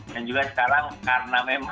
dan juga sekarang karena memang